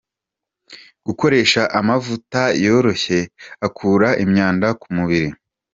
Gukoresha amavuta yoroshye, akura imyanda ku mubiri,.